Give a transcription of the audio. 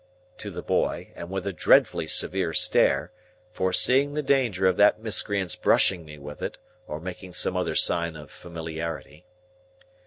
(To the boy, and with a dreadfully severe stare; foreseeing the danger of that miscreant's brushing me with it, or making some other sign of familiarity.)